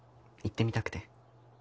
行ってみたくて。